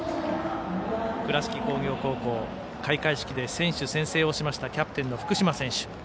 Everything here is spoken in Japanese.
倉敷工業高校開会式で選手宣誓をしましたキャプテンの福島選手。